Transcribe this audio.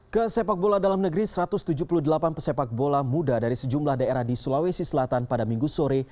ke sepak bola dalam negeri satu ratus tujuh puluh delapan pesepak bola muda dari sejumlah daerah di sulawesi selatan pada minggu sore